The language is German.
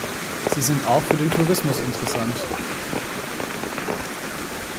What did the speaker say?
Sie sind auch für den Tourismus interessant.